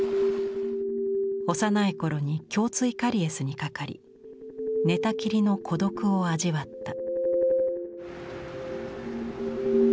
幼い頃に胸椎カリエスにかかり寝たきりの孤独を味わった。